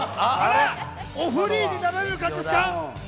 おフリーになられる感じですか？